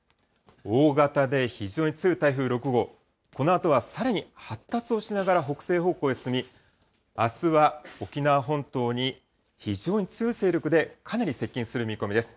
大型で非常に強い台風６号、このあとはさらに発達をしながら北西方向へ進み、あすは沖縄本島に、非常に強い勢力でかなり接近する見込みです。